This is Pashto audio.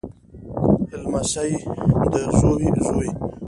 لمسی دزوی زوی